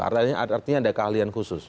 artinya ada keahlian khusus